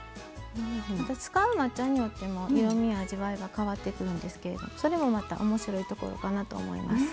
使う抹茶によっても色味や味わいが変わってくるんですけれどそれもまた面白いところかなと思います。